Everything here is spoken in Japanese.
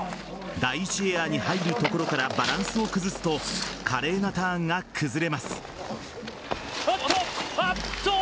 第１エアに入るところからバランスを崩すと華麗なターンが崩れます。